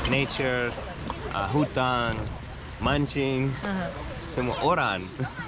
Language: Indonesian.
nature hutan mancing semua orang